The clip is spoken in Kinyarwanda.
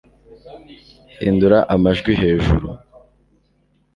hindura amajwi hejuru